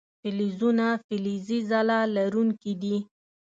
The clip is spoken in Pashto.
فلزونه فلزي ځلا لرونکي دي.